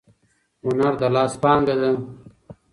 هنر د لاس پانګه ده.